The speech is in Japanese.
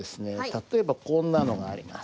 例えばこんなのがあります。